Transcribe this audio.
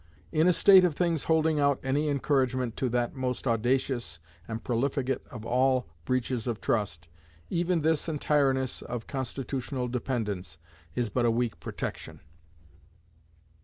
In a state of things holding out any encouragement to that most audacious and profligate of all breaches of trust, even this entireness of constitutional dependence is but a weak protection.